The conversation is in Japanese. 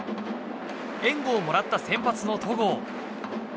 援護をもらった先発の戸郷。